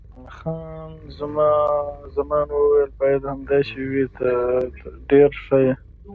خان زمان وویل: باید همداسې وي، ته ډېر ښه یې.